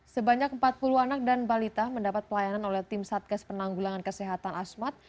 sebanyak empat puluh anak dan balita mendapat pelayanan oleh tim satgas penanggulangan kesehatan asmat